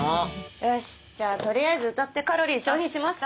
よしじゃあ取りあえず歌ってカロリー消費しますか。